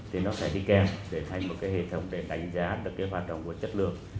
thì nó sẽ đi kèm để thành một cái hệ thống để đánh giá được cái hoạt động của chất lượng